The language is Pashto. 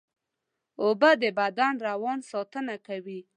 اوبه د بدن روان ساتنه کوي